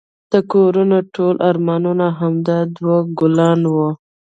د کورنی ټول ارمانونه همدا دوه ګلان وه